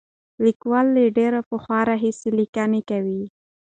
لیکوال له ډېر پخوا راهیسې لیکنې کوي.